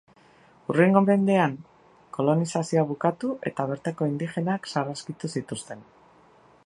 Hurrengo mendean, kolonizazioa bukatu eta bertako indigenak sarraskitu zituzten.